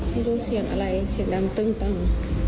ไม่รู้เสียงอะไรเสียงดังตึ้งตัง